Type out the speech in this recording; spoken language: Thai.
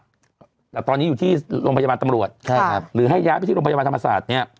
แต่ตอนนี้อยู่ที่โรงพยาบาลตำรวจใช่ครับหรือให้ย้ายไปที่โรงพยาบาลธรรมศาสตร์เนี่ย